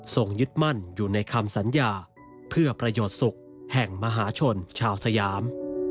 ยึดมั่นอยู่ในคำสัญญาเพื่อประโยชน์สุขแห่งมหาชนชาวสยาม